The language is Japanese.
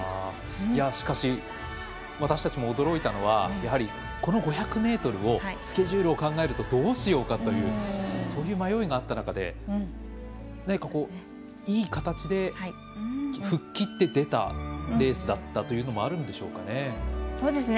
しかし私たちも驚いたのはこの５００ｍをスケジュールを考えるとどうしようかというそういう迷いがあった中で何か、いい形で吹っ切って出たレースだったという部分もあるんでしょうかね。